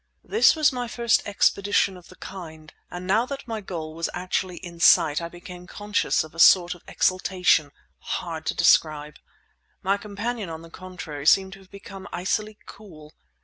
This was my first expedition of the kind; and now that my goal was actually in sight I became conscious of a sort of exultation hard to describe. My companion, on the contrary, seemed to have become icily cool.